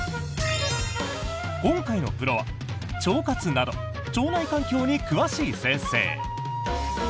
今回のプロは、腸活など腸内環境に詳しい先生。